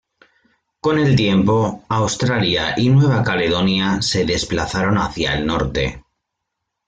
Con el tiempo, Australia y Nueva Caledonia se desplazaron hacia el norte.